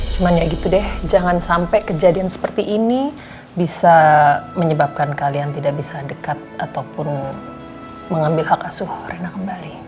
cuma ya gitu deh jangan sampai kejadian seperti ini bisa menyebabkan kalian tidak bisa dekat ataupun mengambil hak asuh karena kembali